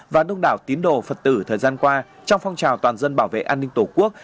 và đông đảo tín đồ phật tử thời gian qua trong phong trào toàn dân bảo vệ an ninh tổ quốc